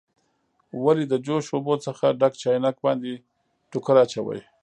ولې د جوش اوبو څخه ډک چاینک باندې ټوکر اچوئ؟